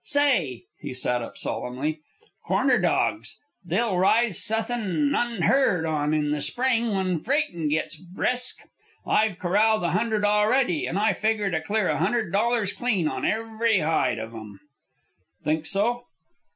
Say!" he sat up solemnly, "corner dogs! They'll rise suthin' unheard on in the spring when freightin' gits brisk. I've corralled a hundred a'ready, an' I figger to clear a hundred dollars clean on every hide of 'em." "Think so?"